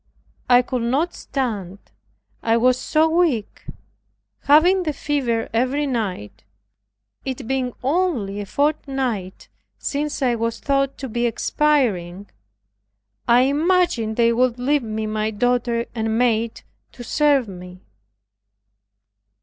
I could not stand, I was so weak, having the fever every night, it being only a fortnight since I was thought to be expiring. I imagined they would leave me my daughter and maid to serve me.